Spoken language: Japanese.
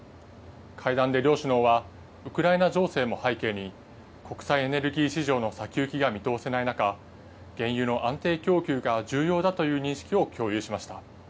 会談で両首脳はウクライナ情勢も背景に、国際エネルギー市場の先行きが見通せない中、原油の安定供給が重要だという認識を共有しました。